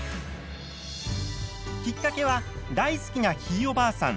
きっかけは大好きなひいおばあさん